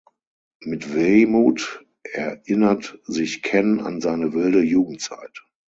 Mit Wehmut erinnert sich Ken an seine wilde Jugendzeit.